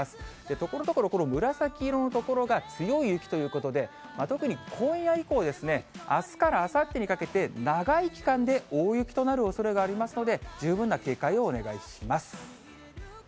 ところどころ、この紫色の所が強い雪ということで、特に今夜以降ですね、あすからあさってにかけて、長い期間で大雪となるおそれがありますので、十分な警戒をお願いします。